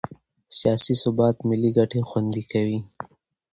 سیاسي ثبات ملي ګټې خوندي کوي